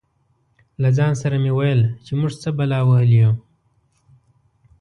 له ځان سره مې ویل چې موږ څه بلا وهلي یو.